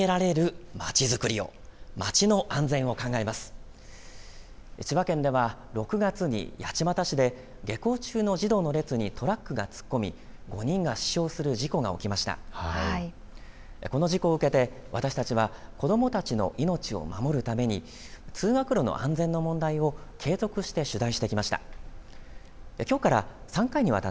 この事故を受けて私たちは子どもたちの命を守るために通学路の安全の問題を継続して取材してきました。